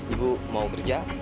ibu mau kerja